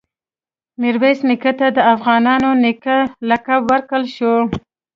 میرویس نیکه ته د “افغانانو نیکه” لقب ورکړل شو.